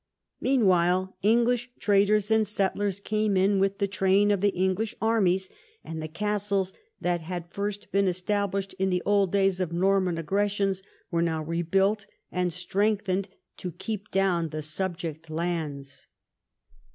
Meanwhile English traders and settlers came in the train of the English armies, and the castles that had first been established in the old days of Norman aggressions were now rebuilt and strengthened to keep down the subject lands.